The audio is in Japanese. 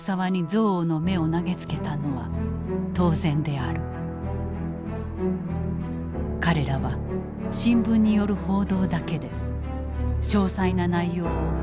彼らは新聞による報道だけで詳細な内容を知らされていない。